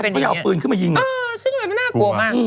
อยากเอาปืนขึ้นมายิงซึ่งมันน่ากลัวมาก